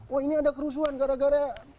wah ini ada kerusuhan gara gara